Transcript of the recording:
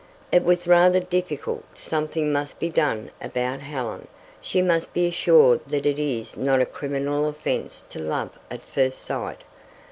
It was rather difficult. Something must be done about Helen. She must be assured that it is not a criminal offence to love at first sight.